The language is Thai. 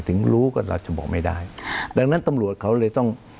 ถึงรู้ก็เราจะบอกไม่ได้ดังนั้นตำรวจเขาเลยต้อง